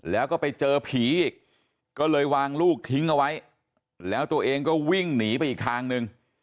แล้วก็ไปเจอผีอีกก็เลยวางลูกทิ้งเอาไว้แล้วตัวเองก็วิ่งหนีไปอีกทางนึง